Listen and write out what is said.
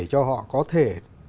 cho họ có thể